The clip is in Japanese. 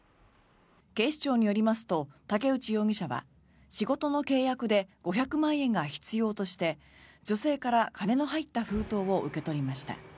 警視庁によりますと竹内容疑者は仕事の契約で５００万円が必要として女性から金の入った封筒を受け取りました。